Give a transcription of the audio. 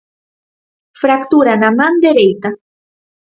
Fractura na man dereita.